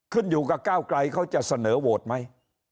ขึ้นอยู่กับก้าวไกลเขาจะเสนอโหวตไหม